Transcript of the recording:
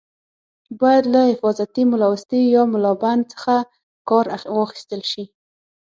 باید له حفاظتي ملاوستي یا ملابند څخه کار واخیستل شي.